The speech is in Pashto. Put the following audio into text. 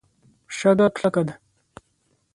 شګه کلکه ده.